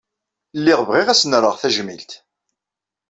Lliɣ bɣiɣ ad sen-rreɣ tajmilt.